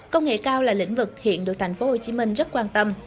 công nghệ cao là lĩnh vực hiện được thành phố hồ chí minh rất quan tâm